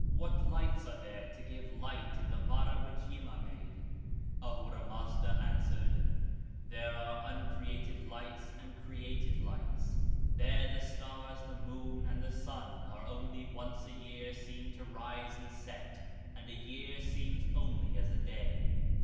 What lights are there to give light 1 in the Vara which Yima made? 40 (131). Ahura Mazda answered: 'There are uncreated lights and created lights 2. There the stars, the moon, and the sun are only once (a year) seen to rise and set 3, and a year seems only as a day.